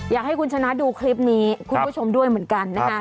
อยากให้คุณชนะดูคลิปนี้คุณผู้ชมด้วยเหมือนกันนะคะ